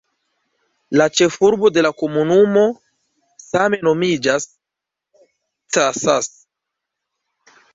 La ĉefurbo de la komunumo same nomiĝas "Casas".